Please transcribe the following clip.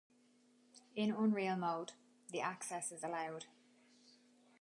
In unreal mode, the access is allowed.